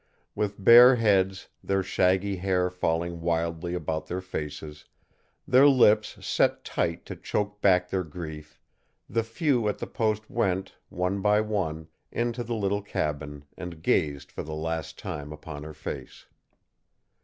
With bare heads, their shaggy hair falling wildly about their faces, their lips set tight to choke back their grief, the few at the post went, one by one, into the little cabin, and gazed for the last time upon her face.